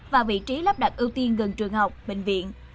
và vị trí lắp đặt ưu tiên gần trường học bệnh viện